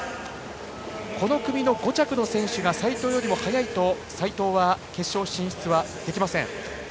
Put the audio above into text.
この組の５着の選手が齋藤よりも速いと決勝進出できません。